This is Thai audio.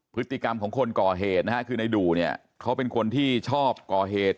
พฤติกรรมของคนก่อเหตุนะฮะคือในดู่เนี่ยเขาเป็นคนที่ชอบก่อเหตุ